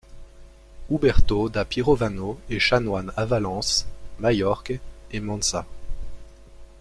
Uberto Da Pirovano est chanoine à Valence, Majorque et Monza.